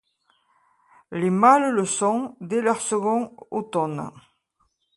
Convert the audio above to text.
Les mâles le sont dès leur second automne.